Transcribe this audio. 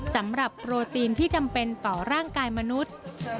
สำหรับโปรตีนที่จำเป็นต่อร่างกายมนุษย์